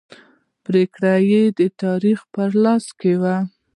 پریکړه د تاریخ په لاس کې ده.